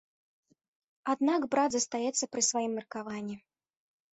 Аднак брат застаецца пры сваім меркаванні.